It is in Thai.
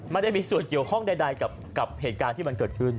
ไม่ได้มีส่วนเกี่ยวข้องใดกับเหตุการณ์ที่มันเกิดขึ้น